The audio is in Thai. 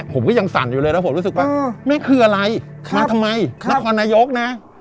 ผมก็ยังสั่นอยู่เลยนะผมรู้สึกว่าแม่คืออะไรมาทำไมนครนายกนะ